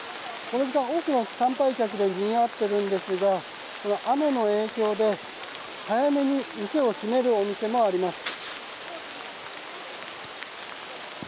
この時間、多くの参拝客でにぎわっているんですが雨の影響で、早めに店を閉めるお店もあります。